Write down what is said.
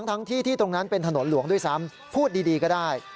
ทั้งที่ที่ตรงนั้นเป็นถนนหลวงด้วยซ้ำพูดดีก็ได้